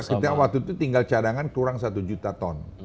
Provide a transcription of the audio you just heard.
ketika waktu itu tinggal cadangan kurang satu juta ton